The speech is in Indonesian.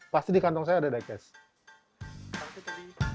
pasti di kantong saya ada diecast